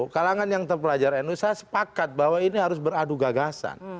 kalangan yang terpelajar nu saya sepakat bahwa ini harus beradu gagasan